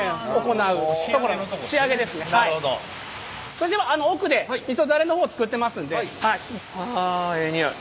それでは奥でみそダレの方作ってますんで。はあええにおい。